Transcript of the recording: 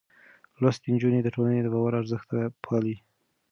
لوستې نجونې د ټولنې د باور ارزښت پالي.